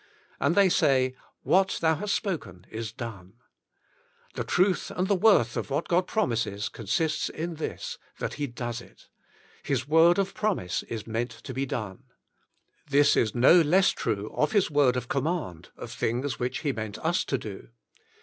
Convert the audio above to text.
'' And they say, " What Thou hast spoken, Is Done.'' The truth and the worth of what God 48 The Inner Chamber promises consists in this, that He Does It. His word of promise is meant to be done. This is no less true of His word of command, of things which He meant IJs to Do.